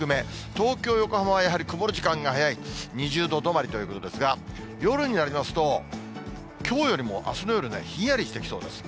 東京、横浜はやはり曇る時間が早い、２０度止まりということですが、夜になりますと、きょうよりもあすの夜ね、ひんやりしてきそうです。